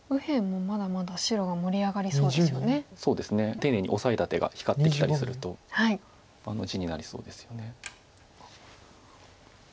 丁寧にオサえた手が光ってきたりすると地になりそうですよね。